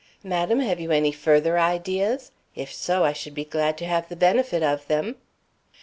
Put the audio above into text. Madam, have you any further ideas? If so, I should be glad to have the benefit of them."